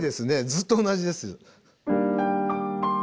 ずっと同じです。